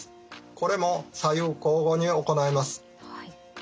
これも左右交互に行います。